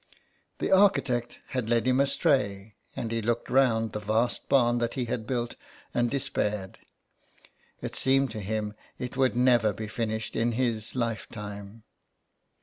The architect had led him astray, and he looked round the vast barn that he had built and despaired. It seemed to him it would never be finished in his lifetime.